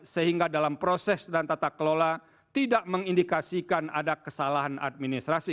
sehingga dalam proses dan tata kelola tidak mengindikasikan ada kesalahan administrasi